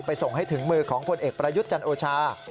ส่งให้ถึงมือของพลเอกประยุทธ์จันโอชา